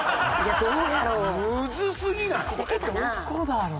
どこだろう？